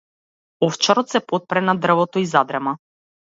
Овчарот се потпре на дрвото и задрема.